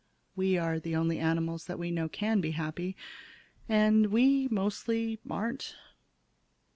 We are the only animals that we know can be happy. And we mostly aren't.